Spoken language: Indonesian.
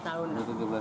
tujuh belas tahun lah